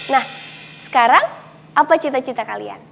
nah sekarang apa cita cita kalian